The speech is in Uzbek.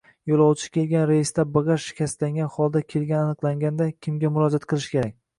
Yo‘lovchi kelgan reysda bagaj shikastlangan holda kelgani aniqlanganda, kimga murojaat qilish kerak?